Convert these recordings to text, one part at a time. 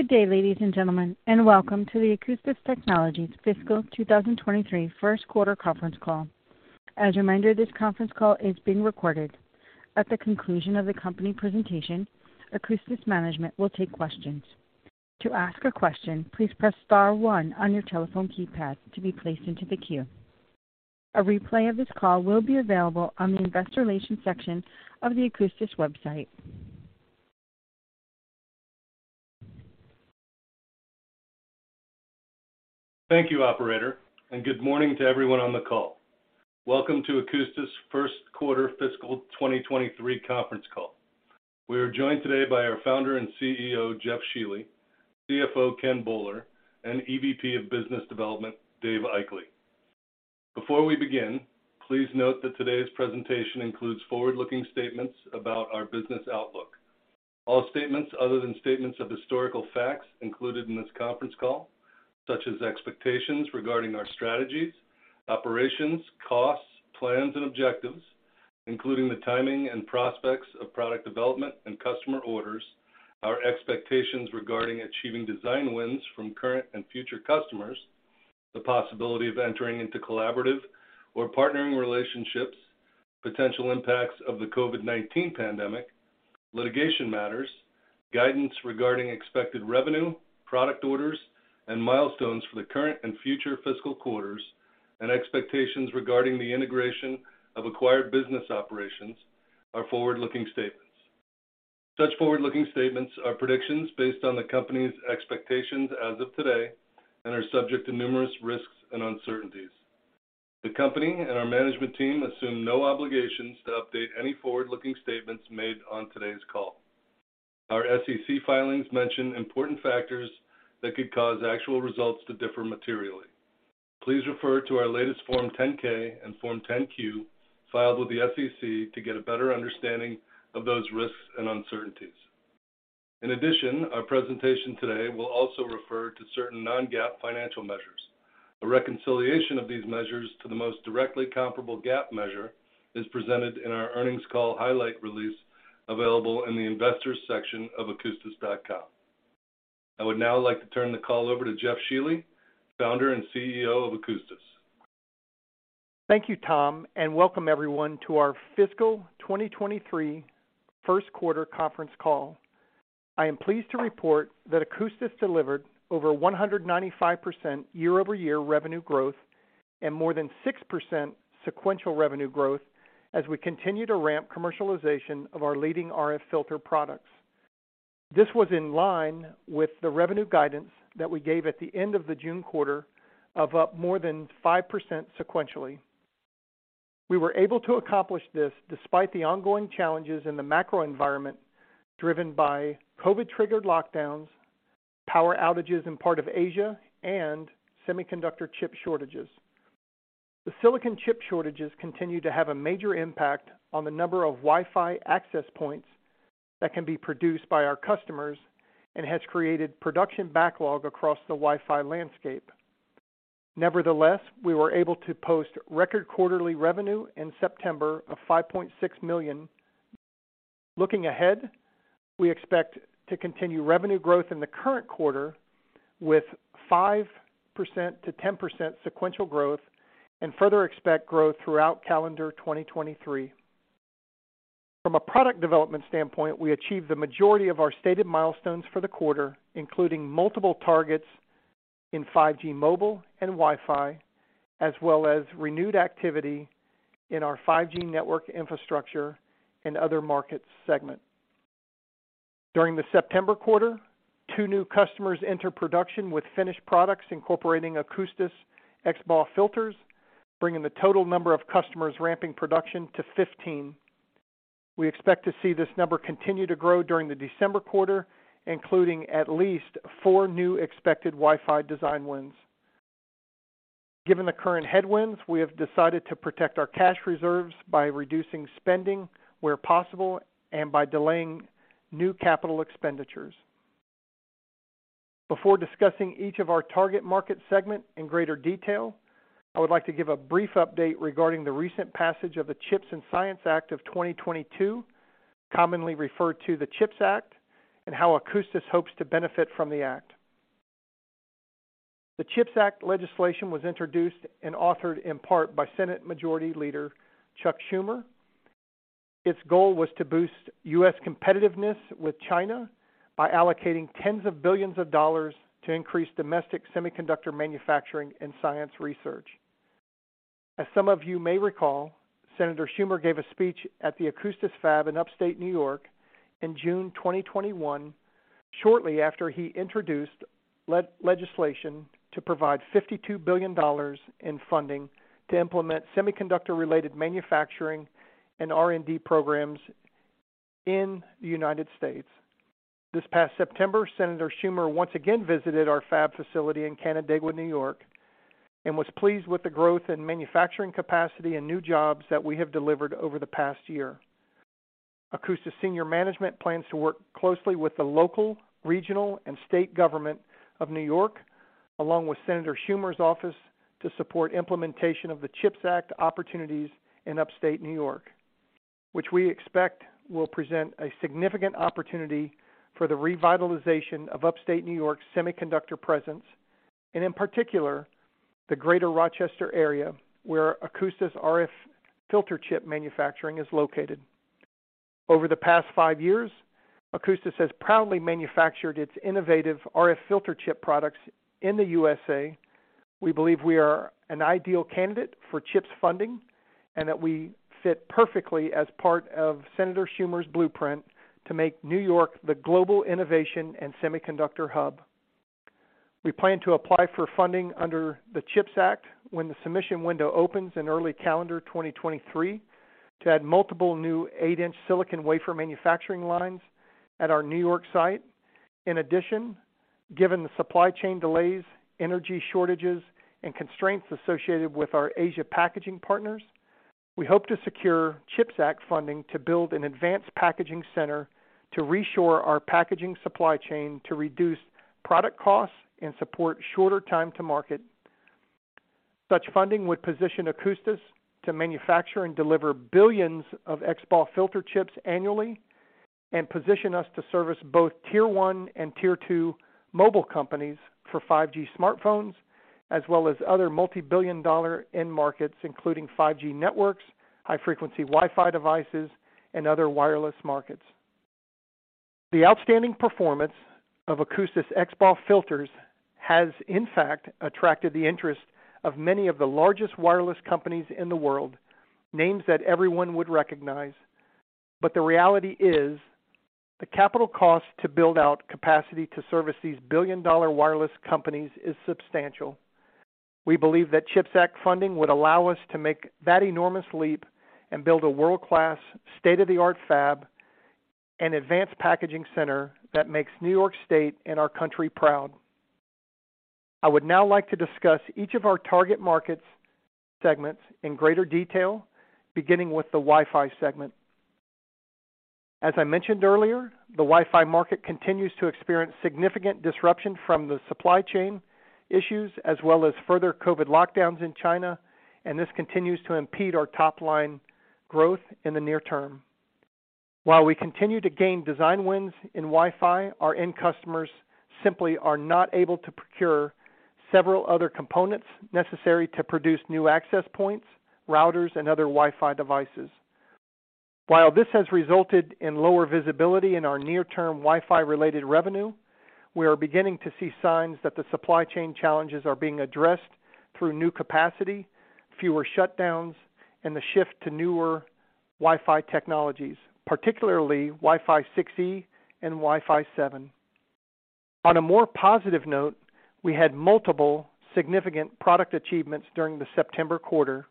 Good day, ladies and gentlemen, and welcome to the Akoustis Technologies Fiscal 2023 first quarter conference call. As a reminder, this conference call is being recorded. At the conclusion of the company presentation, Akoustis management will take questions. To ask a question, please press star one on your telephone keypad to be placed into the queue. A replay of this call will be available on the investor relations section of the Akoustis website. Thank you, operator, and good morning to everyone on the call. Welcome to Akoustis first quarter fiscal 2023 conference call. We are joined today by our founder and CEO, Jeff Shealy, CFO, Ken Boller, and EVP of Business Development, Dave Aichele. Before we begin, please note that today's presentation includes forward-looking statements about our business outlook. All statements other than statements of historical facts included in this conference call, such as expectations regarding our strategies, operations, costs, plans, and objectives, including the timing and prospects of product development and customer orders, our expectations regarding achieving design wins from current and future customers, the possibility of entering into collaborative or partnering relationships, potential impacts of the COVID-19 pandemic, litigation matters, guidance regarding expected revenue, product orders, and milestones for the current and future fiscal quarters, and expectations regarding the integration of acquired business operations are forward-looking statements. Such forward-looking statements are predictions based on the company's expectations as of today and are subject to numerous risks and uncertainties. The company and our management team assume no obligations to update any forward-looking statements made on today's call. Our SEC filings mention important factors that could cause actual results to differ materially. Please refer to our latest Form 10-K and Form 10-Q filed with the SEC to get a better understanding of those risks and uncertainties. In addition, our presentation today will also refer to certain non-GAAP financial measures. A reconciliation of these measures to the most directly comparable GAAP measure is presented in our earnings call highlight release available in the investors section of akoustis.com. I would now like to turn the call over to Jeff Shealy, Founder and CEO of Akoustis Technologies. Thank you, Tom, and welcome everyone to our fiscal 2023 first quarter conference call. I am pleased to report that Akoustis delivered over 195% year-over-year revenue growth and more than 6% sequential revenue growth as we continue to ramp commercialization of our leading RF filter products. This was in line with the revenue guidance that we gave at the end of the June quarter of up more than 5% sequentially. We were able to accomplish this despite the ongoing challenges in the macro environment, driven by COVID-triggered lockdowns, power outages in part of Asia, and semiconductor chip shortages. The silicon chip shortages continue to have a major impact on the number of Wi-Fi access points that can be produced by our customers and has created production backlog across the Wi-Fi landscape. Nevertheless, we were able to post record quarterly revenue in September of $5.6 million. Looking ahead, we expect to continue revenue growth in the current quarter with 5%-10% sequential growth and further expect growth throughout calendar 2023. From a product development standpoint, we achieved the majority of our stated milestones for the quarter, including multiple targets in 5G mobile and Wi-Fi, as well as renewed activity in our 5G network infrastructure and other market segment. During the September quarter, two new customers entered production with finished products incorporating Akoustis XBAW filters, bringing the total number of customers ramping production to 15. We expect to see this number continue to grow during the December quarter, including at least four new expected Wi-Fi design wins. Given the current headwinds, we have decided to protect our cash reserves by reducing spending where possible and by delaying new capital expenditures. Before discussing each of our target market segment in greater detail, I would like to give a brief update regarding the recent passage of the CHIPS and Science Act of 2022, commonly referred to the CHIPS Act, and how Akoustis hopes to benefit from the act. The CHIPS Act legislation was introduced and authored in part by Senate Majority Leader Chuck Schumer. Its goal was to boost U.S. competitiveness with China by allocating tens of billions of dollars to increase domestic semiconductor manufacturing and science research. As some of you may recall, Senator Schumer gave a speech at the Akoustis fab in Upstate New York in June 2021, shortly after he introduced legislation to provide $52 billion in funding to implement semiconductor-related manufacturing and R&D programs in the United States. This past September, Senator Schumer once again visited our fab facility in Canandaigua, New York, and was pleased with the growth in manufacturing capacity and new jobs that we have delivered over the past year. Akoustis senior management plans to work closely with the local, regional, and state government of New York, along with Senator Schumer's office, to support implementation of the CHIPS Act opportunities in Upstate New York. Which we expect will present a significant opportunity for the revitalization of upstate New York semiconductor presence, and in particular, the Greater Rochester area, where Akoustis RF filter chip manufacturing is located. Over the past five years, Akoustis has proudly manufactured its innovative RF filter chip products in the U.S.A. We believe we are an ideal candidate for CHIPS funding, and that we fit perfectly as part of Senator Schumer's blueprint to make New York the global innovation and semiconductor hub. We plan to apply for funding under the CHIPS Act when the submission window opens in early calendar 2023 to add multiple new 8-inch silicon wafer manufacturing lines at our New York site. In addition, given the supply chain delays, energy shortages, and constraints associated with our Asia packaging partners, we hope to secure CHIPS Act funding to build an advanced packaging center to reshore our packaging supply chain to reduce product costs and support shorter time to market. Such funding would position Akoustis to manufacture and deliver billions of XBAW filter chips annually and position us to service both tier one and tier two mobile companies for 5G smartphones, as well as other multi-billion-dollar end markets, including 5G networks, high-frequency Wi-Fi devices, and other wireless markets. The outstanding performance of Akoustis XBAW filters has, in fact, attracted the interest of many of the largest wireless companies in the world, names that everyone would recognize. The reality is the capital cost to build out capacity to service these billion-dollar wireless companies is substantial. We believe that CHIPS Act funding would allow us to make that enormous leap and build a world-class, state-of-the-art fab and advanced packaging center that makes New York State and our country proud. I would now like to discuss each of our target markets segments in greater detail, beginning with the Wi-Fi segment. As I mentioned earlier, the Wi-Fi market continues to experience significant disruption from the supply chain issues as well as further COVID lockdowns in China, and this continues to impede our top line growth in the near term. While we continue to gain design wins in Wi-Fi, our end customers simply are not able to procure several other components necessary to produce new access points, routers, and other Wi-Fi devices. While this has resulted in lower visibility in our near-term Wi-Fi related revenue, we are beginning to see signs that the supply chain challenges are being addressed through new capacity, fewer shutdowns, and the shift to newer Wi-Fi technologies, particularly Wi-Fi 6E and Wi-Fi 7. On a more positive note, we had multiple significant product achievements during the September quarter.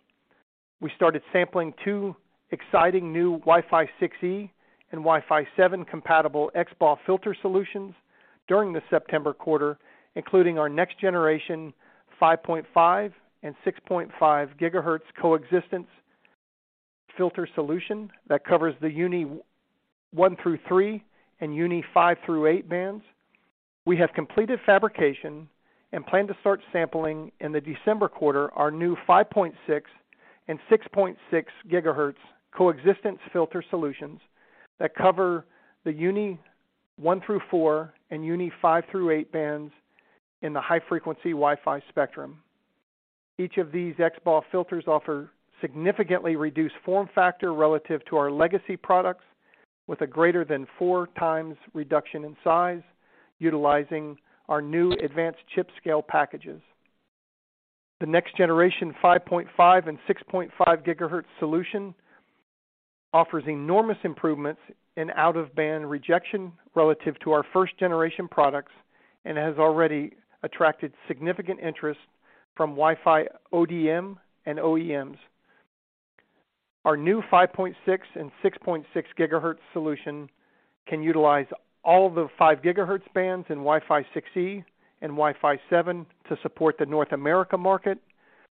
We started sampling two exciting new Wi-Fi 6E and Wi-Fi 7 compatible XBAW filter solutions during the September quarter, including our next generation 5.5 and 6.5 GHz coexistence filter solution that covers the UNII-1 through -3 and UNII-5 through -8 bands. We have completed fabrication and plan to start sampling in the December quarter our new 5.6 and 6.6 GHz coexistence filter solutions that cover the UNII-1 through -4 and UNII-5 through -8 bands in the high frequency Wi-Fi spectrum. Each of these XBAW filters offer significantly reduced form factor relative to our legacy products with a greater than 4x reduction in size utilizing our new advanced chip scale packages. The next-generation 5.5- and 6.5-GHz solution offers enormous improvements in out-of-band rejection relative to our first-generation products and has already attracted significant interest from Wi-Fi ODMs and OEMs. Our new 5.6- and 6.6-GHz solution can utilize all of the 5-GHz bands in Wi-Fi 6E and Wi-Fi 7 to support the North America market.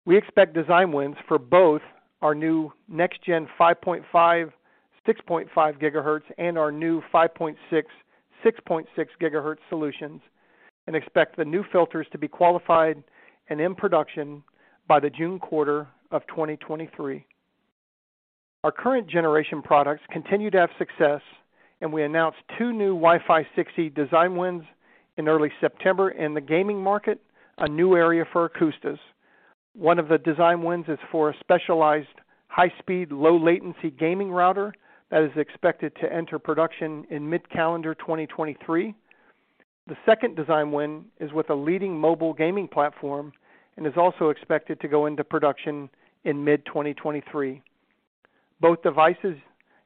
We expect design wins for both our new next-gen 5.5- and 6.5-GHz and our new 5.6- and 6.6-GHz solutions and expect the new filters to be qualified and in production by the June quarter of 2023. Our current-generation products continue to have success, and we announced two new Wi-Fi 6 design wins in early September in the gaming market, a new area for Akoustis. One of the design wins is for a specialized high-speed, low latency gaming router that is expected to enter production in mid-calendar 2023. The second design win is with a leading mobile gaming platform and is also expected to go into production in mid 2023. Both devices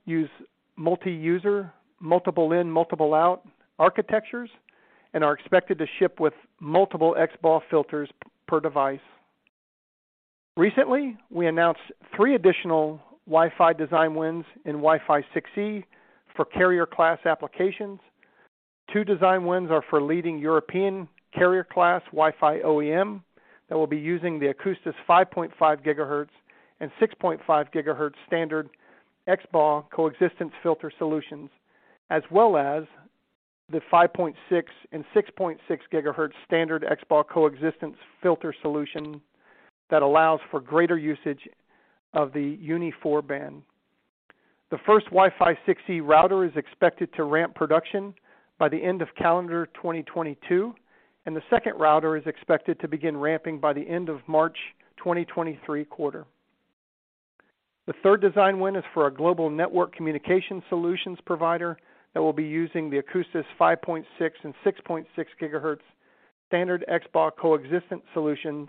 use multi-user, multiple in, multiple out architectures and are expected to ship with multiple XBAW filters per device. Recently, we announced three additional Wi-Fi design wins in Wi-Fi 6E for carrier class applications. Two design wins are for leading European carrier class Wi-Fi OEM that will be using the Akoustis 5.5 GHz and 6.5 GHz standard XBAW coexistence filter solutions, as well as the 5.6 and 6.6 GHz standard XBAW coexistence filter solution that allows for greater usage of the UNII-4 band. The first Wi-Fi 6E router is expected to ramp production by the end of calendar 2022, and the second router is expected to begin ramping by the end of March 2023 quarter. The third design win is for a global network communication solutions provider that will be using the Akoustis 5.6 and 6.6 GHz standard XBAW coexistence solutions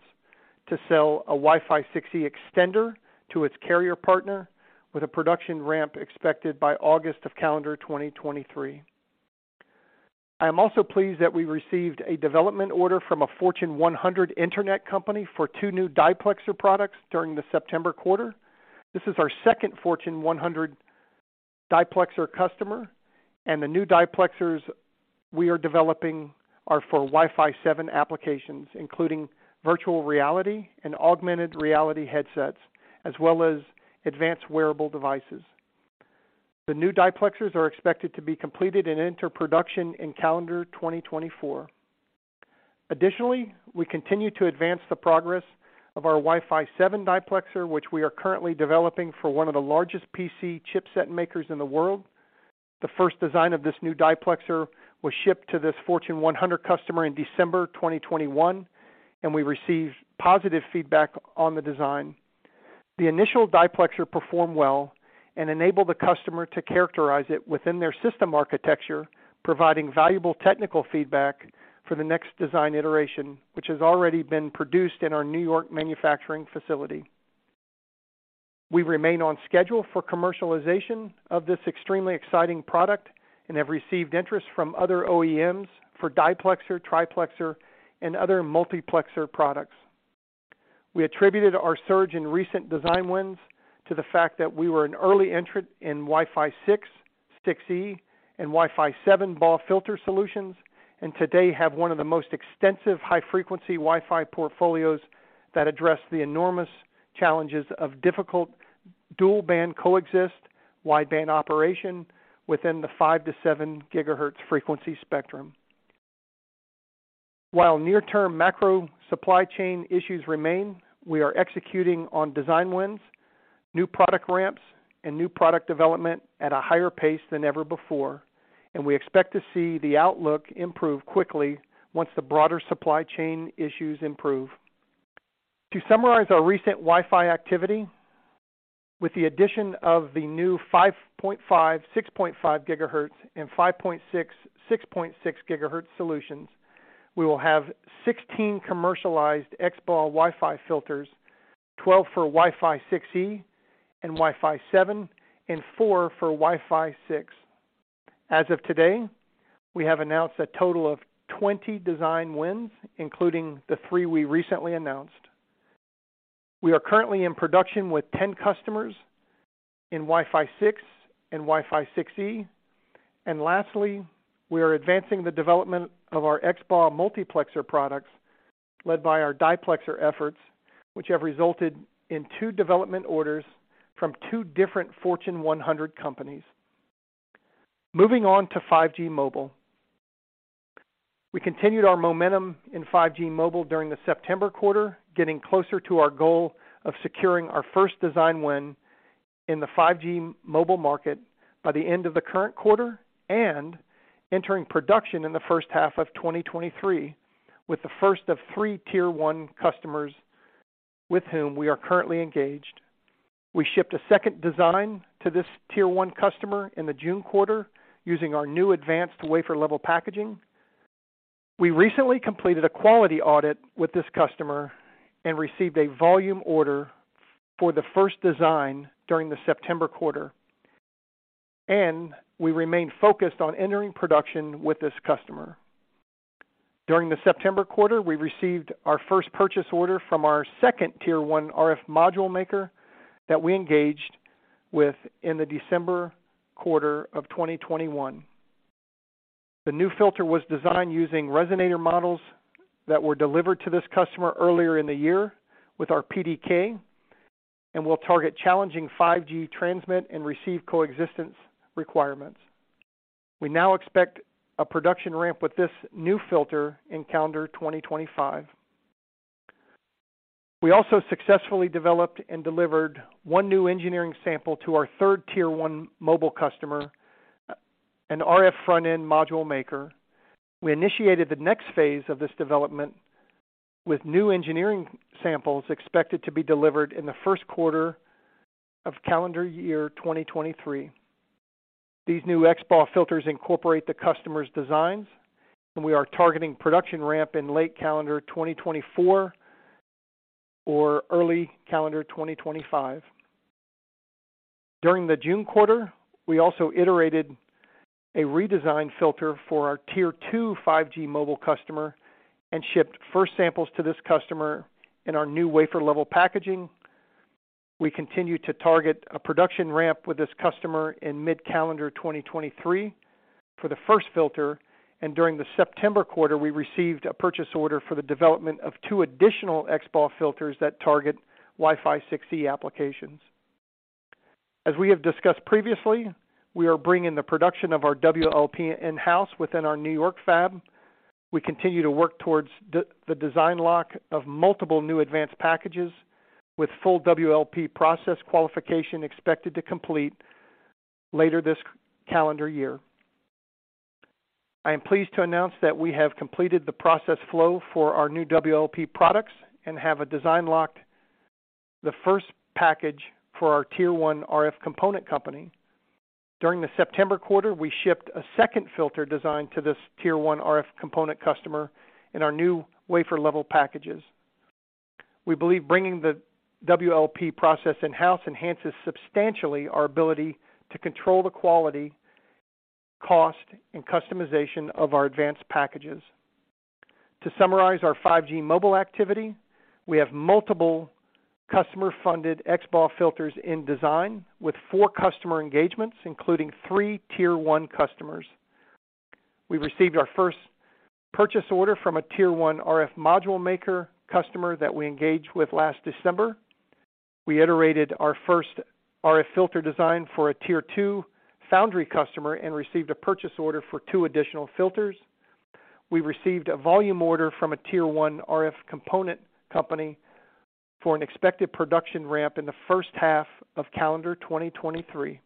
to sell a Wi-Fi 6E extender to its carrier partner with a production ramp expected by August of calendar 2023. I am also pleased that we received a development order from a Fortune 100 internet company for two new diplexer products during the September quarter. This is our second Fortune 100 diplexer customer, and the new diplexers we are developing are for Wi-Fi 7 applications, including virtual reality and augmented reality headsets, as well as advanced wearable devices. The new diplexers are expected to be completed and enter production in calendar 2024. Additionally, we continue to advance the progress of our Wi-Fi 7 diplexer, which we are currently developing for one of the largest PC chipset makers in the world. The first design of this new diplexer was shipped to this Fortune 100 customer in December 2021, and we received positive feedback on the design. The initial diplexer performed well and enabled the customer to characterize it within their system architecture, providing valuable technical feedback for the next design iteration, which has already been produced in our New York manufacturing facility. We remain on schedule for commercialization of this extremely exciting product and have received interest from other OEMs for diplexer, triplexer, and other multiplexer products. We attributed our surge in recent design wins to the fact that we were an early entrant in Wi-Fi 6, 6E, and Wi-Fi 7 BAW filter solutions, and today have one of the most extensive high-frequency Wi-Fi portfolios that address the enormous challenges of difficult dual-band coexistence, wideband operation within the 5-7 GHz frequency spectrum. While near-term macro supply chain issues remain, we are executing on design wins, new product ramps, and new product development at a higher pace than ever before, and we expect to see the outlook improve quickly once the broader supply chain issues improve. To summarize our recent Wi-Fi activity, with the addition of the new 5.5, 6.5 GHz and 5.6.6 GHz solutions, we will have 16 commercialized XBAW Wi-Fi filters, 12 for Wi-Fi 6E and Wi-Fi 7, and 4 for Wi-Fi 6. As of today, we have announced a total of 20 design wins, including the 3 we recently announced. We are currently in production with 10 customers in Wi-Fi 6 and Wi-Fi 6E. Lastly, we are advancing the development of our XBAW multiplexer products led by our diplexer efforts, which have resulted in 2 development orders from 2 different Fortune 100 companies. Moving on to 5G mobile. We continued our momentum in 5G mobile during the September quarter, getting closer to our goal of securing our first design win in the 5G mobile market by the end of the current quarter and entering production in the first half of 2023 with the first of 3 tier one customers with whom we are currently engaged. We shipped a second design to this tier one customer in the June quarter using our new advanced wafer-level packaging. We recently completed a quality audit with this customer and received a volume order for the first design during the September quarter, and we remain focused on entering production with this customer. During the September quarter, we received our first purchase order from our second tier one RF module maker that we engaged with in the December quarter of 2021. The new filter was designed using resonator models that were delivered to this customer earlier in the year with our PDK and will target challenging 5G transmit and receive coexistence requirements. We now expect a production ramp with this new filter in calendar 2025. We also successfully developed and delivered one new engineering sample to our third tier one mobile customer, an RF front-end module maker. We initiated the next phase of this development with new engineering samples expected to be delivered in the first quarter of calendar year 2023. These new XBAW filters incorporate the customer's designs, and we are targeting production ramp in late calendar 2024 or early calendar 2025. During the June quarter, we also iterated a redesigned filter for our tier two 5G mobile customer and shipped first samples to this customer in our new wafer-level packaging. We continue to target a production ramp with this customer in mid-calendar 2023 for the first filter, and during the September quarter, we received a purchase order for the development of two additional XBAW filters that target Wi-Fi 6E applications. As we have discussed previously, we are bringing the production of our WLP in-house within our New York fab. We continue to work towards the design lock of multiple new advanced packages with full WLP process qualification expected to complete later this calendar year. I am pleased to announce that we have completed the process flow for our new WLP products and have a design locked the first package for our tier one RF component company. During the September quarter, we shipped a second filter design to this tier one RF component customer in our new wafer level packages. We believe bringing the WLP process in-house enhances substantially our ability to control the quality, cost, and customization of our advanced packages. To summarize our 5G mobile activity, we have multiple customer-funded XBAW filters in design with four customer engagements, including three tier one customers. We received our first purchase order from a tier one RF module maker customer that we engaged with last December. We iterated our first RF filter design for a tier two foundry customer and received a purchase order for 2 additional filters. We received a volume order from a tier one RF component company for an expected production ramp in the first half of calendar 2023.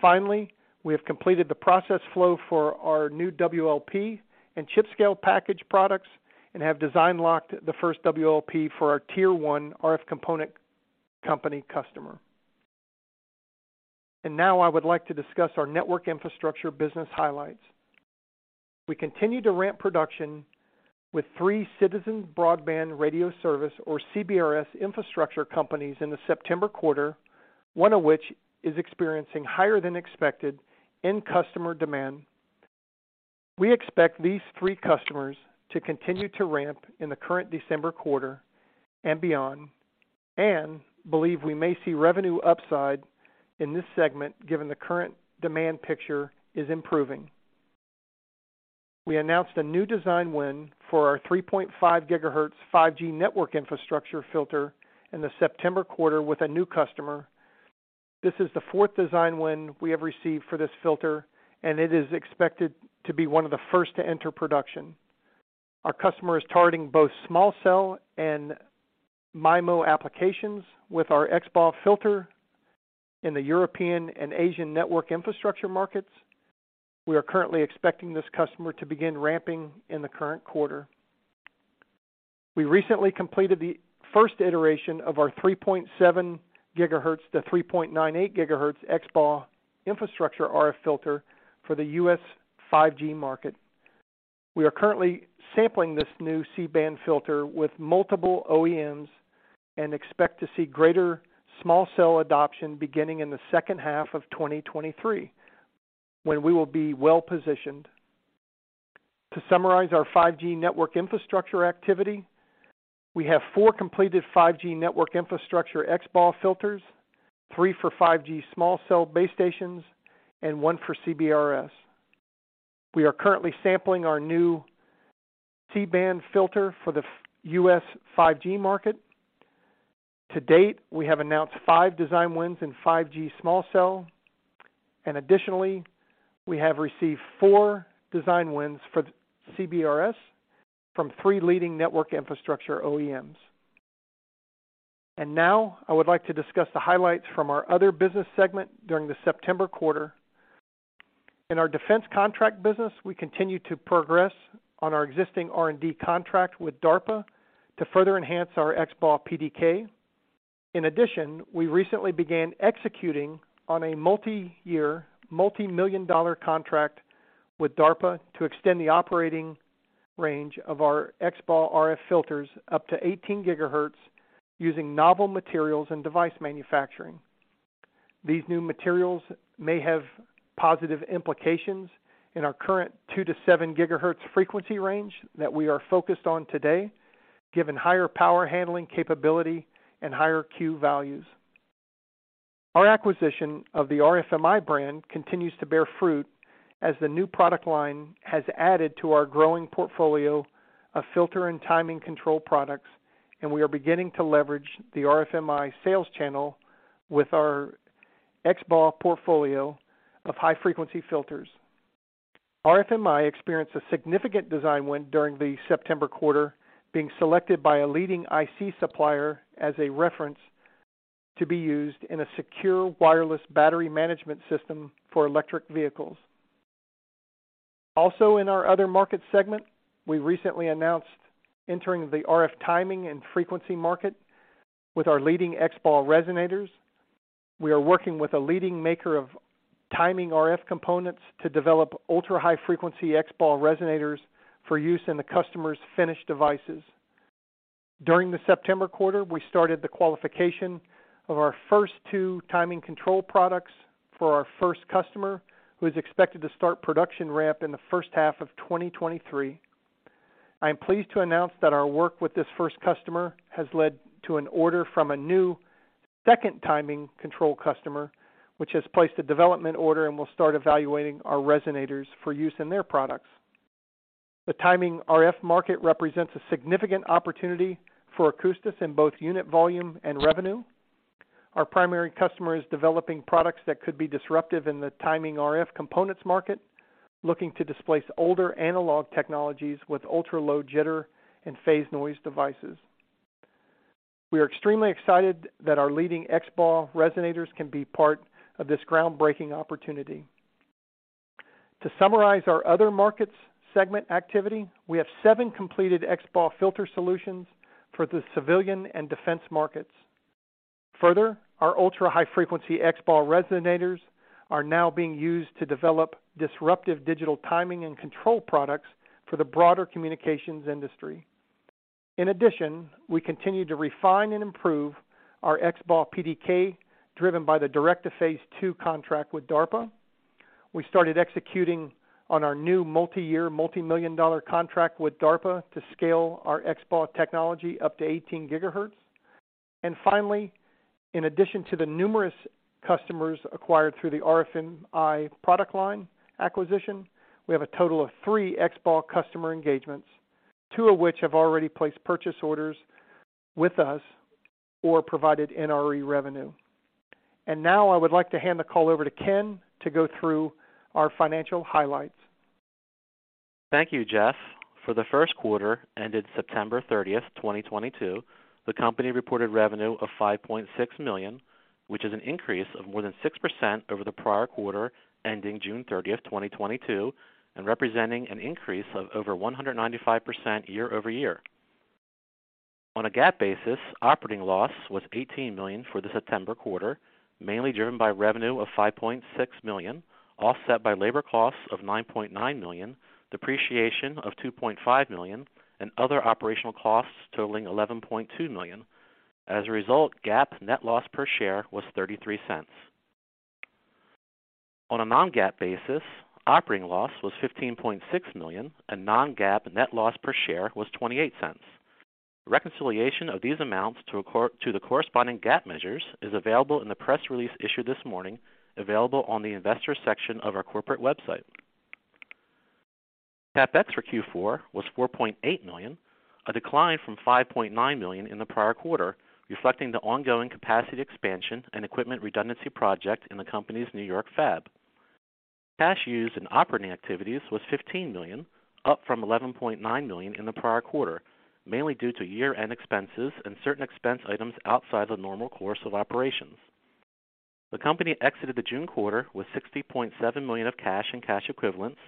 Finally, we have completed the process flow for our new WLP and chip scale package products and have design locked the first WLP for our tier one RF component company customer. Now I would like to discuss our network infrastructure business highlights. We continue to ramp production with three Citizens Broadband Radio Service, or CBRS, infrastructure companies in the September quarter, one of which is experiencing higher than expected end customer demand. We expect these three customers to continue to ramp in the current December quarter and beyond, and believe we may see revenue upside in this segment given the current demand picture is improving. We announced a new design win for our 3.5 GHz, 5G network infrastructure filter in the September quarter with a new customer. This is the fourth design win we have received for this filter, and it is expected to be one of the first to enter production. Our customer is targeting both small cell and MIMO applications with our XBAW filter in the European and Asian network infrastructure markets. We are currently expecting this customer to begin ramping in the current quarter. We recently completed the first iteration of our 3.7-3.98 GHz XBAW infrastructure RF filter for the U.S. 5G market. We are currently sampling this new C-band filter with multiple OEMs and expect to see greater small cell adoption beginning in the second half of 2023, when we will be well-positioned. To summarize our 5G network infrastructure activity, we have four completed 5G network infrastructure XBAW filters, three for 5G small cell base stations, and one for CBRS. We are currently sampling our new C-band filter for the U.S. 5G market. To date, we have announced five design wins in 5G small cell. Additionally, we have received four design wins for CBRS from three leading network infrastructure OEMs. Now I would like to discuss the highlights from our other business segment during the September quarter. In our defense contract business, we continue to progress on our existing R&D contract with DARPA to further enhance our XBAW PDK. In addition, we recently began executing on a multi-year, multi-million dollar contract with DARPA to extend the operating range of our XBAW RF filters up to 18 GHz using novel materials and device manufacturing. These new materials may have positive implications in our current 2-7 GHz frequency range that we are focused on today, given higher power handling capability and higher Q values. Our acquisition of the RFMi brand continues to bear fruit as the new product line has added to our growing portfolio of filter and timing control products, and we are beginning to leverage the RFMi sales channel with our XBAW portfolio of high frequency filters. RFMi experienced a significant design win during the September quarter, being selected by a leading IC supplier as a reference to be used in a secure wireless battery management system for electric vehicles. Also in our other market segment, we recently announced entering the RF timing and frequency market with our leading XBAW resonators. We are working with a leading maker of timing RF components to develop ultra-high frequency XBAW resonators for use in the customer's finished devices. During the September quarter, we started the qualification of our first two timing control products for our first customer, who is expected to start production ramp in the first half of 2023. I am pleased to announce that our work with this first customer has led to an order from a new second timing control customer, which has placed a development order and will start evaluating our resonators for use in their products. The timing RF market represents a significant opportunity for Akoustis in both unit volume and revenue. Our primary customer is developing products that could be disruptive in the timing RF components market, looking to displace older analog technologies with ultra-low jitter and phase noise devices. We are extremely excited that our leading XBA resonators can be part of this groundbreaking opportunity. To summarize our other markets segment activity, we have seven completed XBA filter solutions for the civilian and defense markets. Further, our ultra-high frequency XBA resonators are now being used to develop disruptive digital timing and control products for the broader communications industry. In addition, we continue to refine and improve our XBA PDK, driven by the Direct to Phase II contract with DARPA. We started executing on our new multi-year, multi-million dollar contract with DARPA to scale our XBA technology up to 18 GHz. Finally, in addition to the numerous customers acquired through the RFMi product line acquisition, we have a total of three XBAW customer engagements, two of which have already placed purchase orders with us or provided NRE revenue. Now I would like to hand the call over to Ken to go through our financial highlights. Thank you, Jeff. For the first quarter ended September 30th, 2022, the company reported revenue of $5.6 million, which is an increase of more than 6% over the prior quarter ending June 30, 2022, and representing an increase of over 195% year-over-year. On a GAAP basis, operating loss was $18 million for the September quarter, mainly driven by revenue of $5.6 million, offset by labor costs of $9.9 million, depreciation of $2.5 million, and other operational costs totaling $11.2 million. As a result, GAAP net loss per share was $0.33. On a non-GAAP basis, operating loss was $15.6 million, and non-GAAP net loss per share was $0.28. Reconciliation of these amounts to the corresponding GAAP measures is available in the press release issued this morning, available on the investors section of our corporate website. CapEx for Q4 was $4.8 million, a decline from $5.9 million in the prior quarter, reflecting the ongoing capacity expansion and equipment redundancy project in the company's New York fab. Cash used in operating activities was $15 million, up from $11.9 million in the prior quarter, mainly due to year-end expenses and certain expense items outside the normal course of operations. The company exited the June quarter with $60.7 million of cash and cash equivalents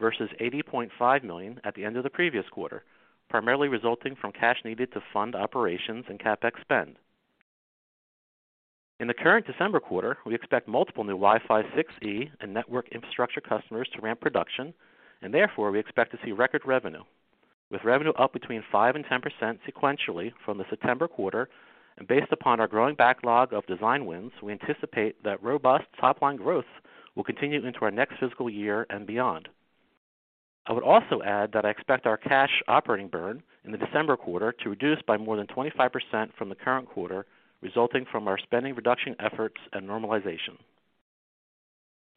versus $80.5 million at the end of the previous quarter, primarily resulting from cash needed to fund operations and CapEx spend. In the current December quarter, we expect multiple new Wi-Fi 6E and network infrastructure customers to ramp production, and therefore, we expect to see record revenue. With revenue up between 5% and 10% sequentially from the September quarter, and based upon our growing backlog of design wins, we anticipate that robust top line growth will continue into our next fiscal year and beyond. I would also add that I expect our cash operating burn in the December quarter to reduce by more than 25% from the current quarter, resulting from our spending reduction efforts and normalization.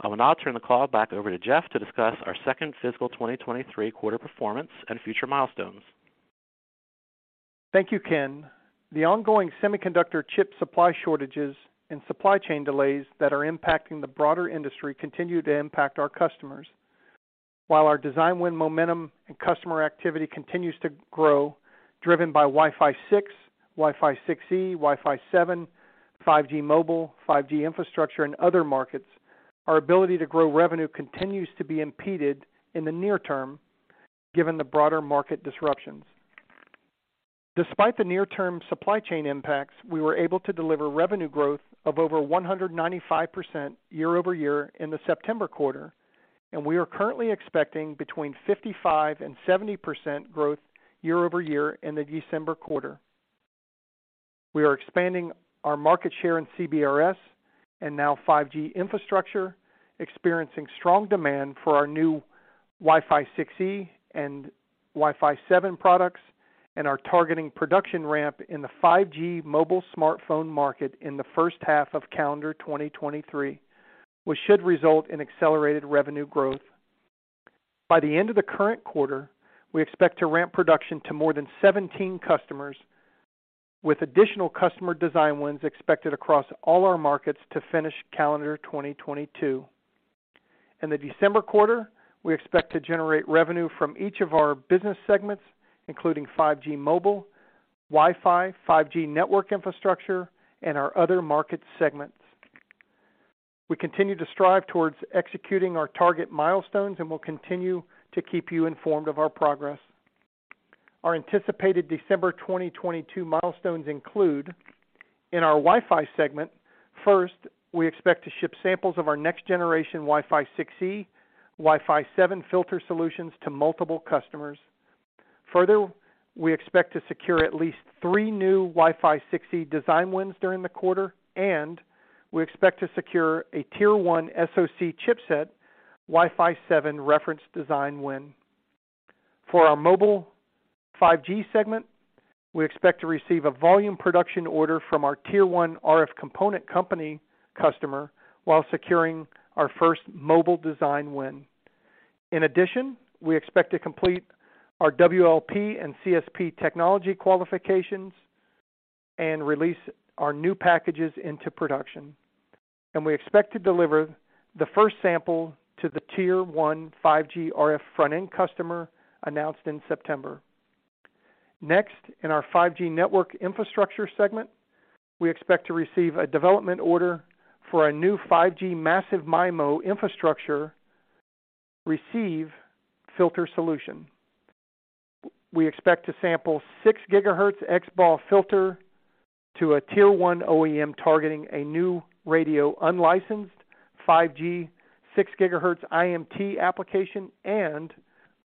I will now turn the call back over to Jeff to discuss our second fiscal 2023 quarter performance and future milestones. Thank you, Ken. The ongoing semiconductor chip supply shortages and supply chain delays that are impacting the broader industry continue to impact our customers. While our design win momentum and customer activity continues to grow, driven by Wi-Fi 6, Wi-Fi 6E, Wi-Fi 7, 5G mobile, 5G infrastructure, and other markets, our ability to grow revenue continues to be impeded in the near term given the broader market disruptions. Despite the near-term supply chain impacts, we were able to deliver revenue growth of over 195% year-over-year in the September quarter, and we are currently expecting between 55% and 70% growth year-over-year in the December quarter. We are expanding our market share in CBRS and now 5G infrastructure, experiencing strong demand for our new Wi-Fi 6E and Wi-Fi 7 products, and are targeting production ramp in the 5G mobile smartphone market in the first half of calendar 2023, which should result in accelerated revenue growth. By the end of the current quarter, we expect to ramp production to more than 17 customers with additional customer design wins expected across all our markets to finish calendar 2022. In the December quarter, we expect to generate revenue from each of our business segments, including 5G mobile, Wi-Fi, 5G network infrastructure, and our other market segments. We continue to strive towards executing our target milestones, and we'll continue to keep you informed of our progress. Our anticipated December 2022 milestones include in our Wi-Fi segment, first, we expect to ship samples of our next generation Wi-Fi 6E, Wi-Fi 7 filter solutions to multiple customers. Further, we expect to secure at least three new Wi-Fi 6E design wins during the quarter, and we expect to secure a tier one SoC chipset Wi-Fi 7 reference design win. For our mobile 5G segment, we expect to receive a volume production order from our tier one RF component company customer while securing our first mobile design win. In addition, we expect to complete our WLP and CSP technology qualifications and release our new packages into production. We expect to deliver the first sample to the tier one 5G RF front-end customer announced in September. Next, in our 5G network infrastructure segment, we expect to receive a development order for a new 5G massive MIMO infrastructure receive filter solution. We expect to sample 6 GHz XBAW filter to a tier one OEM targeting a new radio unlicensed 5G 6 GHz IMT application, and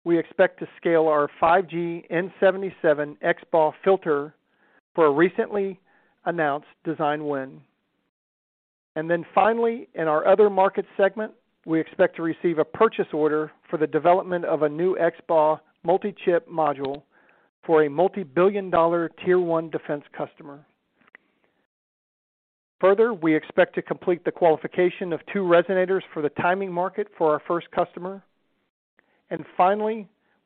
we expect to scale our 5G n77 XBAW filter for a recently announced design win. In our other market segment, we expect to receive a purchase order for the development of a new XBAW multi-chip module for a multi-billion-dollar tier one defense customer. Further, we expect to complete the qualification of two resonators for the timing market for our first customer.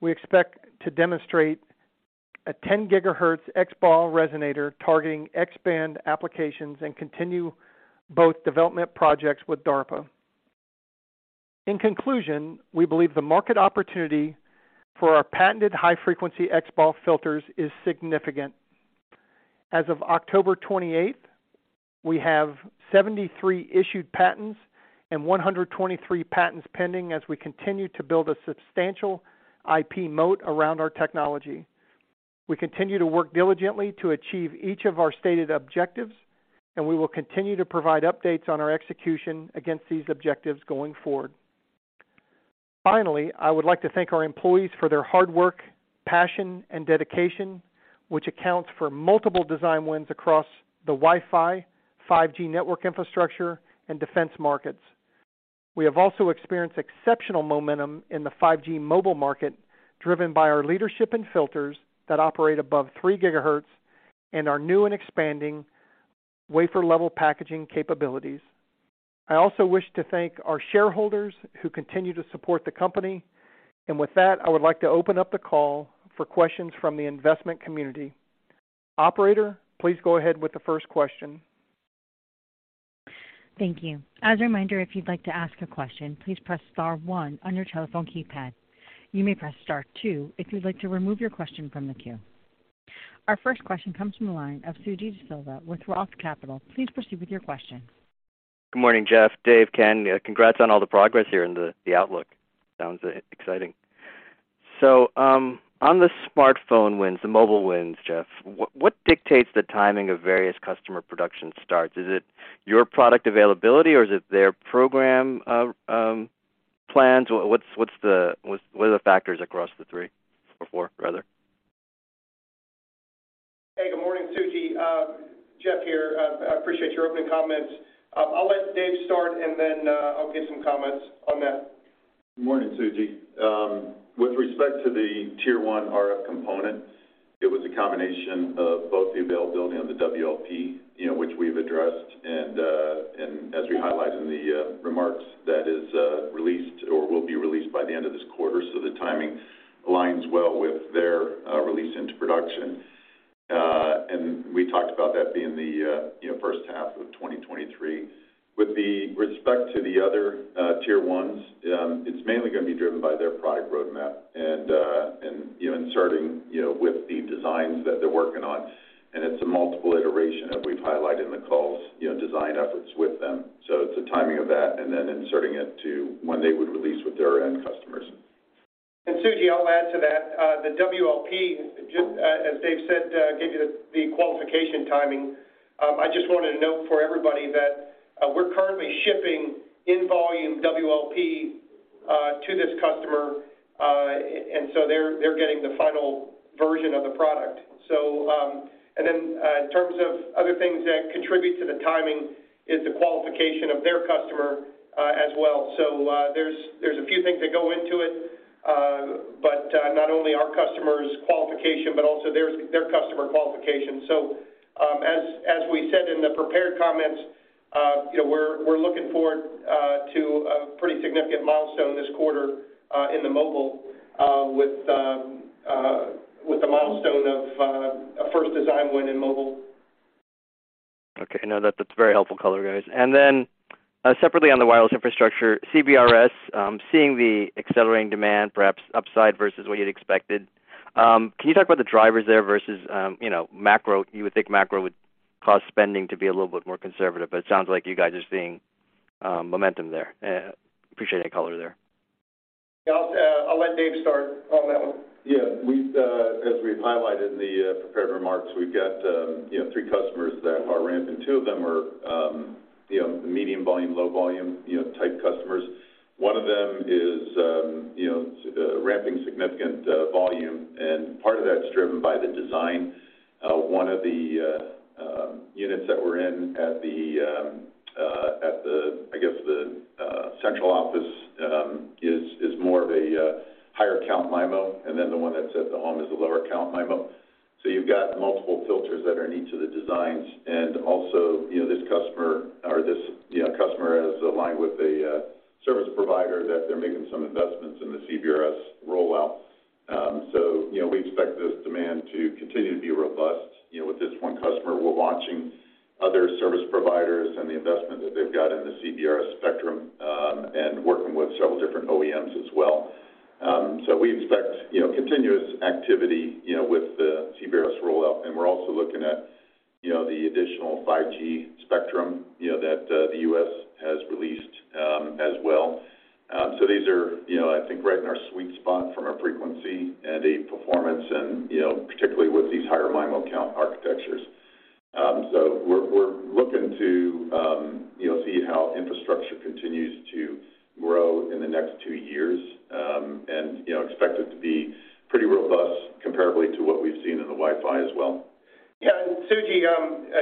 We expect to demonstrate a 10 GHz XBAW resonator targeting X-band applications and continue both development projects with DARPA. In conclusion, we believe the market opportunity for our patented high-frequency XBAW filters is significant. As of October 28, we have 73 issued patents and 123 patents pending as we continue to build a substantial IP moat around our technology. We continue to work diligently to achieve each of our stated objectives, and we will continue to provide updates on our execution against these objectives going forward. Finally, I would like to thank our employees for their hard work, passion and dedication, which accounts for multiple design wins across the Wi-Fi, 5G network infrastructure and defense markets. We have also experienced exceptional momentum in the 5G mobile market, driven by our leadership in filters that operate above 3 GHz and our new and expanding wafer-level packaging capabilities. I also wish to thank our shareholders who continue to support the company. With that, I would like to open up the call for questions from the investment community. Operator, please go ahead with the first question. Thank you. As a reminder, if you'd like to ask a question, please press star one on your telephone keypad. You may press star two if you'd like to remove your question from the queue. Our first question comes from the line of Suji DeSilva with Roth Capital. Please proceed with your question. Good morning, Jeff, Dave, Ken. Congrats on all the progress here and the outlook. Sounds exciting. On the smartphone wins, the mobile wins, Jeff, what dictates the timing of various customer production starts? Is it your product availability or is it their program plans? What are the factors across the three? Or four, rather? Hey, good morning, Suji. Jeff here. I appreciate your opening comments. I'll let Dave start and then, I'll give some comments on that. Good morning, Suji. With respect to the tier one RF components, it was a combination of both the availability of the WLP, you know, which we've addressed, and as we highlight in the remarks that is released or will be released by the end of this quarter. The timing aligns well with their release into production. We talked about that being the, you know, first half of 2023. With respect to the other tier ones, it's mainly gonna be driven by their product roadmap and, you know, inserting, you know, with the designs that they're working on. It's a multiple iteration that we've highlighted in the calls, you know, design efforts with them. It's the timing of that and then inserting it to when they would release with their end customers. Suji, I'll add to that. The WLP, as Dave said, give you the qualification timing. I just wanted to note for everybody that we're currently shipping in volume WLP to this customer. They're getting the final version of the product. In terms of other things that contribute to the timing is the qualification of their customer as well. There's a few things that go into it. Not only our customer's qualification, but also their customer qualification. As we said in the prepared comments, you know, we're looking forward to a pretty significant milestone this quarter in the mobile with the milestone of a first design win in mobile. Okay. No, that's very helpful color, guys. Then, separately on the wireless infrastructure, CBRS, seeing the accelerating demand, perhaps upside versus what you'd expected, can you talk about the drivers there versus, you know, macro? You would think macro would cause spending to be a little bit more conservative, but it sounds like you guys are seeing momentum there. Appreciate any color there. Yeah, I'll let Dave start on that one. Yeah. We've as we've highlighted in the prepared remarks, we've got, you know, three customers that are ramping. Two of them are, you know, medium volume, low volume, you know, type customers. One of them is, you know, ramping significant volume, and part of that's driven by the design. One of the units that we're in at the, I guess, the central office is more of a higher count MIMO, and then the one that's at the home is a lower count MIMO. So you've got multiple filters that are in each of the designs. Also, you know, this customer or this, you know, customer is aligned with a service provider that they're making some investments in the CBRS rollout. You know, we expect this demand to continue to be robust. You know, with this one customer, we're watching other service providers and the investment that they've got in the CBRS spectrum, and working with several different OEMs as well. We expect, you know, continuous activity, you know, with the CBRS rollout, and we're also looking at, you know, the additional 5G spectrum, you know, that, the U.S. has released, as well. These are, you know, I think right in our sweet spot from a frequency and a performance and, you know, particularly with these higher MIMO count architectures. We're looking to, you know, see how infrastructure continues to grow in the next two years, and, you know, expect it to be pretty robust comparably to what we've seen in the Wi-Fi as well. Yeah. Suji,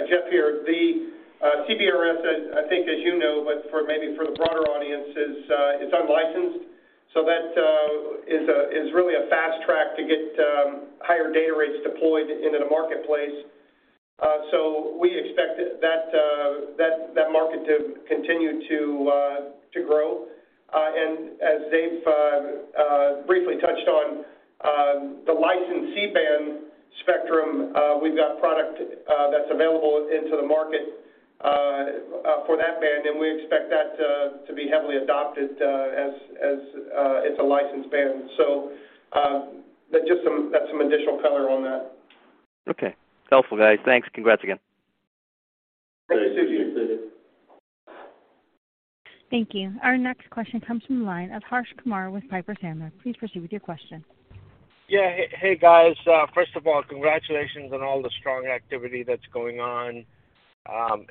Jeff here, the CBRS, I think as you know, but for maybe the broader audience is unlicensed. That is really a fast track to get higher data rates deployed into the marketplace. We expect that market to continue to grow. As Dave briefly touched on, the licensed C-band spectrum, we've got product that's available into the market for that band, and we expect that to be heavily adopted, as it's a licensed band. That's some additional color on that. Okay. Helpful, guys. Thanks. Congrats again. Thank you, Suji. Thanks, Suji. Thank you. Our next question comes from the line of Harsh Kumar with Piper Sandler. Please proceed with your question. Hey, guys. First of all, congratulations on all the strong activity that's going on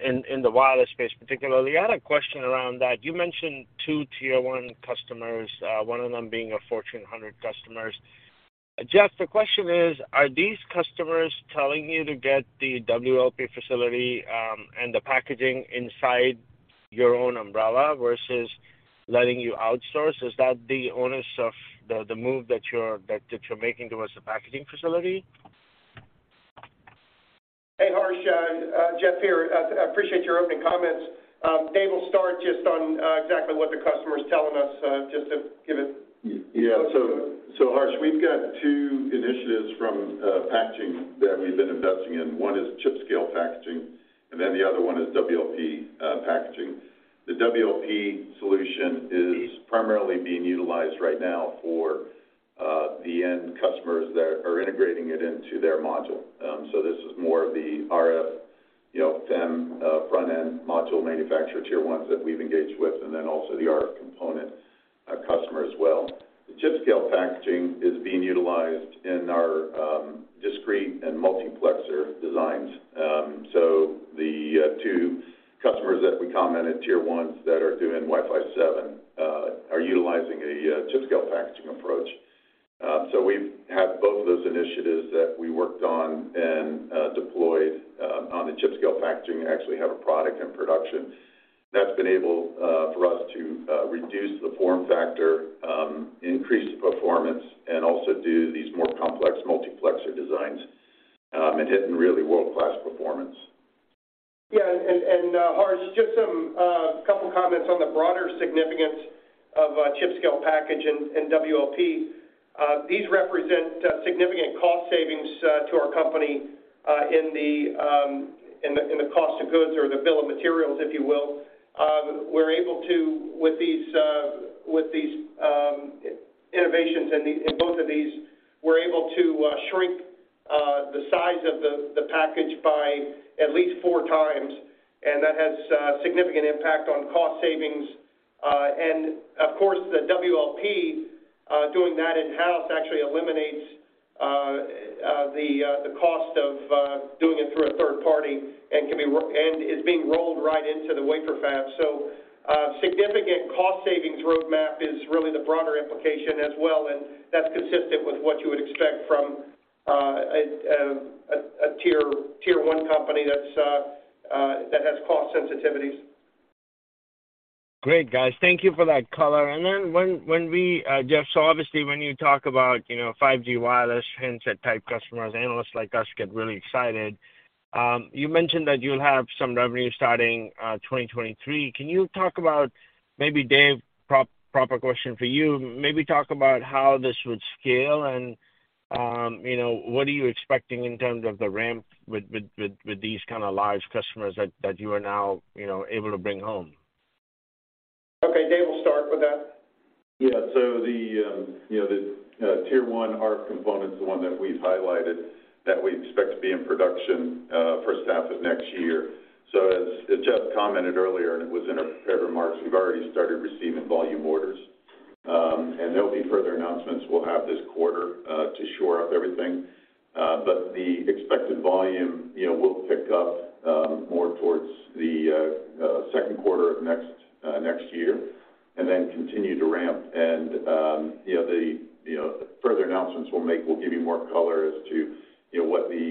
in the wireless space particularly. I had a question around that. You mentioned two tier one customers, one of them being a Fortune 100 customer. Jeff, the question is, are these customers telling you to get the WLP facility and the packaging inside your own umbrella versus letting you outsource? Is that the onus of the move that you're making towards the packaging facility? Hey, Harsh. Jeff here. I appreciate your opening comments. Dave will start just on exactly what the customer is telling us just to give it- Yeah. Harsh, we've got two initiatives from packaging that we've been investing in. One is chip-scale packaging, and then the other one is WLP packaging. The WLP solution is primarily being utilized right now for the end customers that are integrating it into their module. This is more of the RF, you know, FEM front-end module manufacturer tier ones that we've engaged with, and then also the RF component customer as well. The chip-scale packaging is being utilized in our discrete and multiplexer designs. The two customers that we commented tier ones that are doing Wi-Fi 7 are utilizing a chip-scale packaging approach. We've had both of those initiatives that we worked on and deployed on the chip-scale packaging. We actually have a product in production that's been able for us to reduce the form factor, increase performance, and also do these more complex multiplexer designs, and hitting really world-class performance. Harsh, just some couple comments on the broader significance of chip-scale package and WLP. These represent significant cost savings to our company in the cost of goods or the bill of materials, if you will. We're able to, with these innovations in both of these, shrink the size of the package by at least four times, and that has a significant impact on cost savings. Of course, the WLP doing that in-house actually eliminates the cost of doing it through a third party and is being rolled right into the wafer fab. Significant cost savings roadmap is really the broader implication as well, and that's consistent with what you would expect from a tier one company that has cost sensitivities. Great, guys. Thank you for that color. Jeff, so obviously when you talk about, you know, 5G wireless handset type customers, analysts like us get really excited. You mentioned that you'll have some revenue starting 2023. Can you talk about, maybe Dave, proper question for you, maybe talk about how this would scale and, you know, what are you expecting in terms of the ramp with these kinda large customers that you are now, you know, able to bring home? Okay. Dave will start with that. Yeah. The, you know, the tier one RF component is the one that we've highlighted that we expect to be in production, first half of next year. As Jeff commented earlier, and it was in our prepared remarks, we've already started receiving volume orders. There'll be further announcements we'll have this quarter, to shore up everything. The expected volume, you know, will pick up, more towards the second quarter of next year and then continue to ramp. The, you know, further announcements we'll make will give you more color as to, you know, what the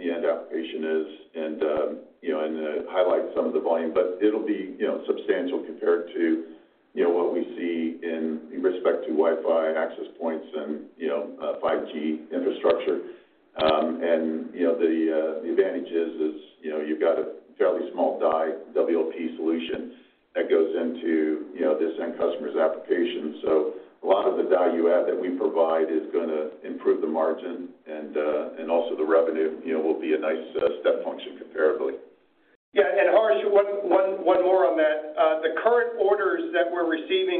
end application is and highlight some of the volume. It'll be, you know, substantial compared to you know what we see in respect to Wi-Fi access points and, you know, 5G infrastructure. And, you know, the advantage is, you know, you've got a fairly small die WLP solution that goes into, you know, this end customer's application. So a lot of the value add that we provide is gonna improve the margin and also the revenue, you know, will be a nice step function comparably. Yeah. Harsh, one more on that. The current orders we're receiving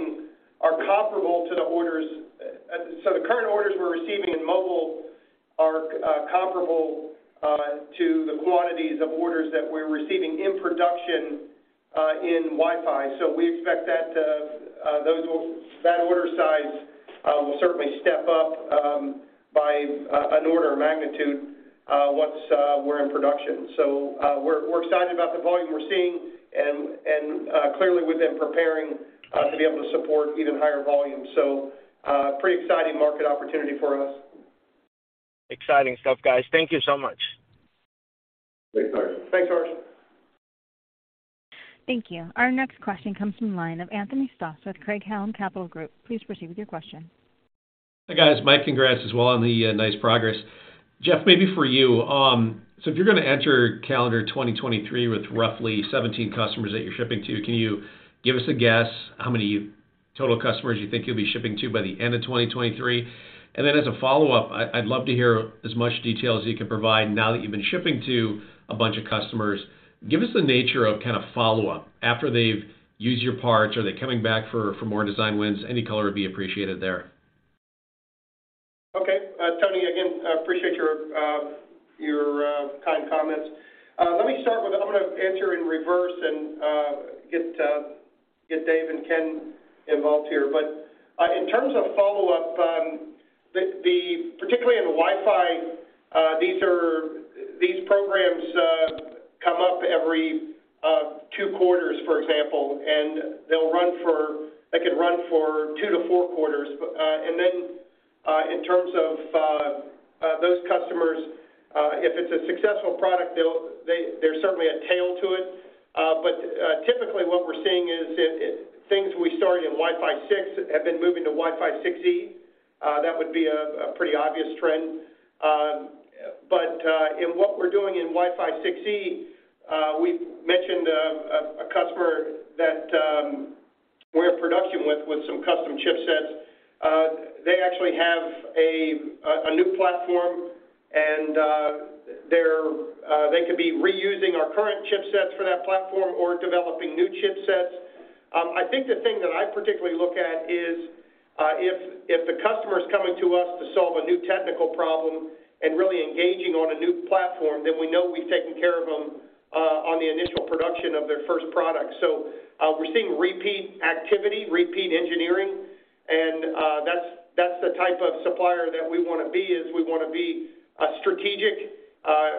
in mobile are comparable to the quantities of orders that we're receiving in production in Wi-Fi. We expect that order size will certainly step up by an order of magnitude once we're in production. We're excited about the volume we're seeing and clearly with them preparing to be able to support even higher volumes. Pretty exciting market opportunity for us. Exciting stuff, guys. Thank you so much. Thanks, Harsh. Thanks, Harsh. Thank you. Our next question comes from the line of Anthony Stoss with Craig-Hallum Capital Group. Please proceed with your question. Hi, guys. My congrats as well on the nice progress. Jeff, maybe for you. If you're gonna enter calendar 2023 with roughly 17 customers that you're shipping to, can you give us a guess how many total customers you think you'll be shipping to by the end of 2023? As a follow-up, I'd love to hear as much details as you can provide now that you've been shipping to a bunch of customers, give us the nature of kind of follow-up after they've used your parts. Are they coming back for more design wins? Any color would be appreciated there. Okay. Tony, again, I appreciate your kind comments. Let me start with— I'm gonna answer in reverse and get Dave and Ken involved here. In terms of follow-up, particularly in Wi-Fi, these programs come up every two quarters, for example, and they could run for 2-4 quarters. In terms of those customers, if it's a successful product, there's certainly a tail to it. Typically what we're seeing is things we started in Wi-Fi 6 have been moving to Wi-Fi 6E. That would be a pretty obvious trend. In what we're doing in Wi-Fi 6E, we've mentioned a customer that we're in production with some custom chipsets. They actually have a new platform and they could be reusing our current chipsets for that platform or developing new chipsets. I think the thing that I particularly look at is if the customer is coming to us to solve a new technical problem and really engaging on a new platform, then we know we've taken care of them on the initial production of their first product. We're seeing repeat activity, repeat engineering, and that's the type of supplier that we want to be, strategic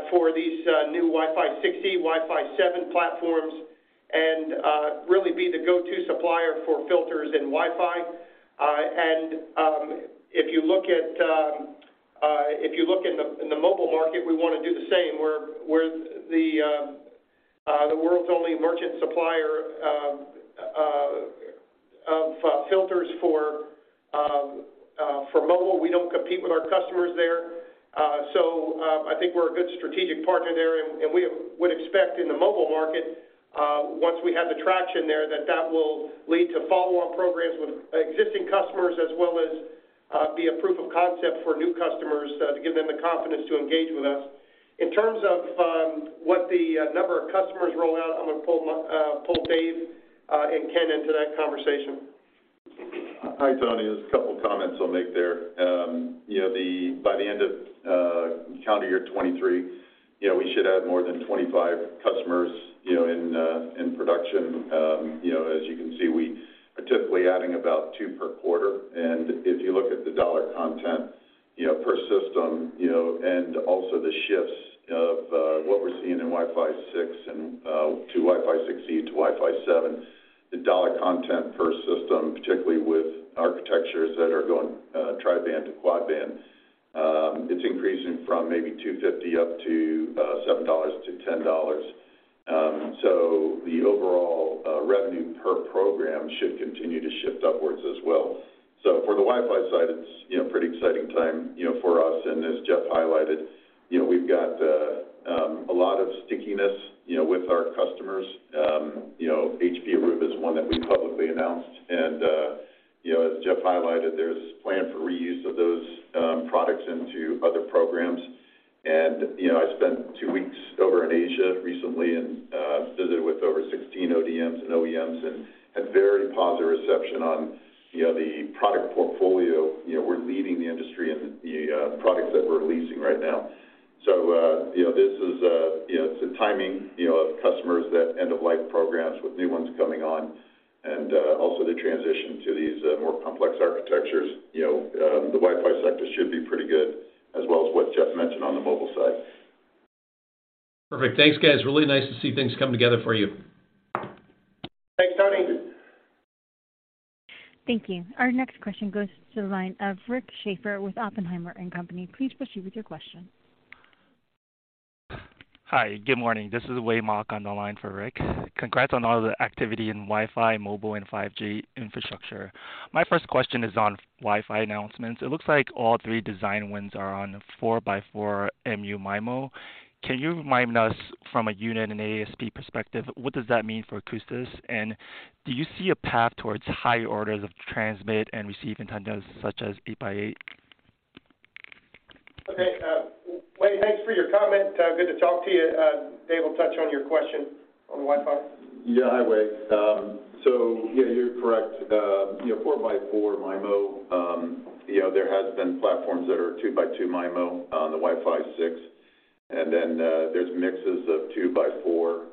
for these new Wi-Fi 6E, Wi-Fi 7 platforms and really be the go-to supplier for filters in Wi-Fi. If you look in the mobile market, we want to do the same. We're the world's only merchant supplier of filters for mobile. We don't compete with our customers there. I think we're a good strategic partner there, and we would expect in the mobile market, once we have the traction there, that will lead to follow-on programs with existing customers as well as be a proof of concept for new customers, to give them the confidence to engage with us. In terms of what the number of customers roll out, I'm gonna pull Dave and Ken into that conversation. Hi, Tony. There's a couple comments I'll make there. By the end of calendar year 2023, you know, we should have more than 25 customers, you know, in production. As you can see, we are typically adding about two per quarter. If you look at the dollar content, you know, per system, you know, and also the shifts of what we're seeing in Wi-Fi 6 and to Wi-Fi 6E to Wi-Fi 7, the dollar content per system, particularly with architectures that are going tri-band to quad-band, it's increasing from maybe $2.50 up to $7-$10. The overall revenue per program should continue to shift upwards as well. For the Wi-Fi side, it's, you know, pretty exciting time, you know, for us. As Jeff highlighted, you know, we've got a lot of stickiness, you know, with our customers. You know, HPE Aruba Networking is one that we publicly announced. You know, as Jeff highlighted, there's plan for reuse of those products into other programs. You know, I spent two weeks over in Asia recently and visited with over 16 ODMs and OEMs and had very positive reception on, you know, the product portfolio. You know, we're leading the industry in the products that we're releasing right now. You know, this is, you know, it's a timing, you know, of customers that end-of-life programs with new ones coming on and also the transition to these more complex architectures. You know, the Wi-Fi sector should be pretty good, as well as what Jeff mentioned on the mobile side. Perfect. Thanks, guys. Really nice to see things come together for you. Thanks, Tony. Thank you. Our next question goes to the line of Rick Schafer with Oppenheimer & Co. Please proceed with your question. Hi, good morning. This is Wei Mok on the line for Rick. Congrats on all the activity in Wi-Fi, mobile, and 5G infrastructure. My first question is on Wi-Fi announcements. It looks like all three design wins are on 4x4 MU-MIMO. Can you remind us from a unit and ASP perspective, what does that mean for Akoustis? Do you see a path towards higher orders of transmit and receive antennas such as 8x8? Okay, Wei, thanks for your comment. Good to talk to you. Dave will touch on your question on Wi-Fi. Yeah, hi, Wei. You're correct. You know, 4x4 MIMO, you know, there has been platforms that are 2x2 MIMO on the Wi-Fi 6, and then there's mixes of 2x4.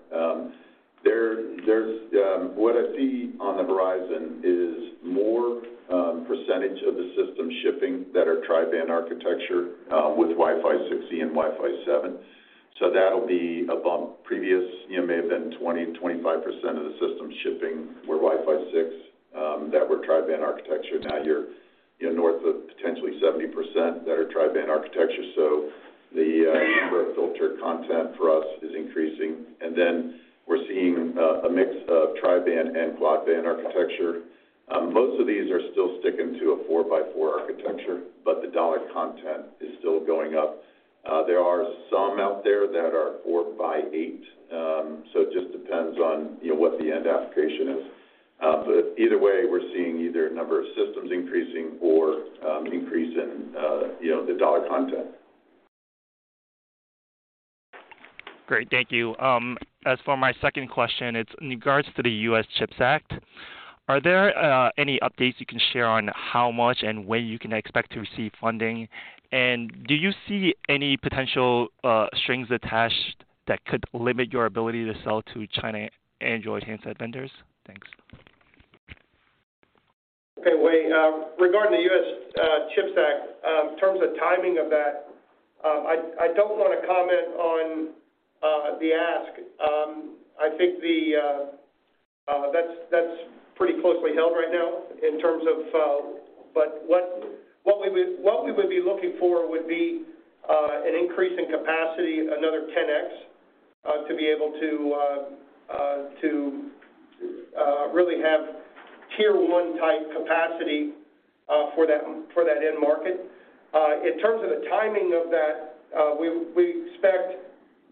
What I see on the horizon is more percentage of the system shipping that are tri-band architecture with Wi-Fi 6E and Wi-Fi 7. That'll be above previous, you know, may have been 20%-25% of the system shipping for Wi-Fi 6 that were tri-band architecture. Now you're, you know, north of potentially 70% that are tri-band architecture. The number of filter content for us is increasing. We're seeing a mix of tri-band and quad-band architecture. Most of these are still sticking to a 4x4 architecture, but the dollar content is still going up. There are some out there that are 4x8, so it just depends on, you know, what the end application is. Either way, we're seeing either number of systems increasing or increase in, you know, the dollar content. Great. Thank you. As for my second question, it's in regards to the CHIPS Act. Are there any updates you can share on how much and when you can expect to receive funding? Do you see any potential strings attached that could limit your ability to sell to China Android handset vendors? Thanks. Okay. Wei, regarding the U.S. CHIPS Act, in terms of timing of that, I don't wanna comment on the ask. I think that's pretty closely held right now in terms of. What we would be looking for would be an increase in capacity, another 10x, to be able to really have tier one type capacity for that end market. In terms of the timing of that, we expect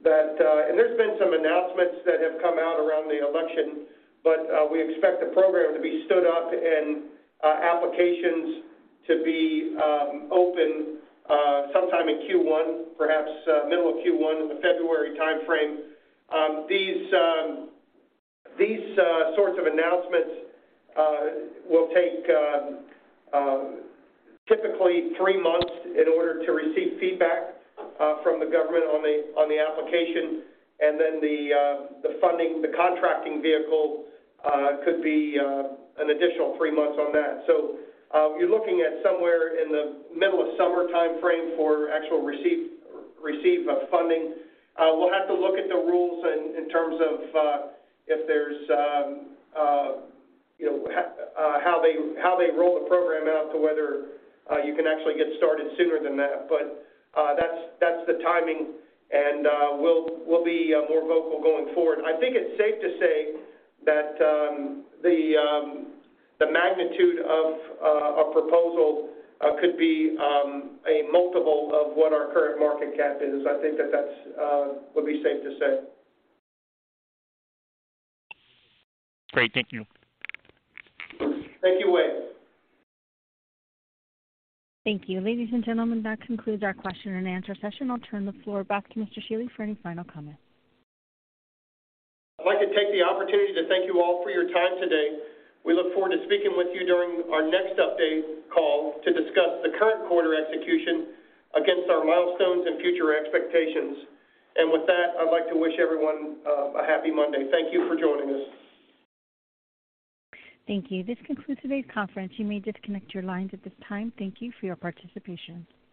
that. There's been some announcements that have come out around the election, but we expect the program to be stood up and applications to be open sometime in Q1, perhaps middle of Q1 in the February timeframe. These sorts of announcements will take typically three months in order to receive feedback from the government on the application. Then the funding, the contracting vehicle, could be an additional three months on that. You're looking at somewhere in the middle of summer timeframe for actual receive of funding. We'll have to look at the rules in terms of if there's you know how they roll the program out to whether you can actually get started sooner than that. That's the timing, and we'll be more vocal going forward. I think it's safe to say that the magnitude of our proposal could be a multiple of what our current market cap is. I think that that would be safe to say. Great. Thank you. Thank you, Wei. Thank you. Ladies and gentlemen, that concludes our question and answer session. I'll turn the floor back to Mr. Shealy for any final comments. I'd like to take the opportunity to thank you all for your time today. We look forward to speaking with you during our next update call to discuss the current quarter execution against our milestones and future expectations. With that, I'd like to wish everyone a happy Monday. Thank you for joining us. Thank you. This concludes today's conference. You may disconnect your lines at this time. Thank you for your participation.